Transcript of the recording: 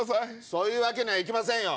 そういうわけにはいきませんよ！